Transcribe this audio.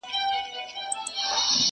• اوس که را هم سي پر څنک رانه تېرېږي,